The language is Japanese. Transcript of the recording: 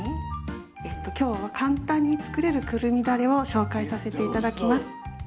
今日は簡単に作れるくるみだれを紹介させて頂きます。